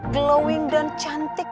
glowing dan cantik